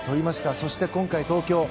そして今回、東京。